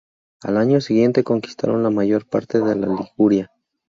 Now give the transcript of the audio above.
Al año siguiente conquistaron la mayor parte de Liguria.